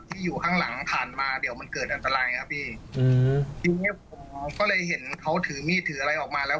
อยู่ข้างหลังผ่านมาเดี๋ยวมันเกิดอันตรายครับพี่อืมทีเนี้ยผมก็เลยเห็นเขาถือมีดถืออะไรออกมาแล้ว